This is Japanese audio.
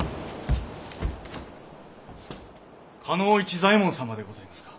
加納市左衛門様でございますか？